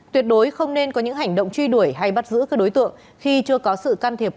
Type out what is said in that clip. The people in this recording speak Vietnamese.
tuyệt đối không nên có những hành động truy đuổi hay bắt giữ các đối tượng khi chưa có sự can thiệp